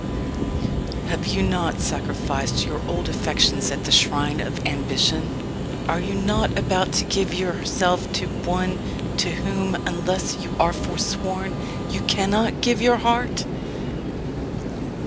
Have you not sacrificed your old affections at the shrine of ambition? Are you not about to give yourself to one to whom unless you are foresworn you cannot give your heart?